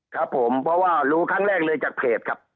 ครับผมเพราะว่ารู้ครั้งแรกเลยจากเพจครับ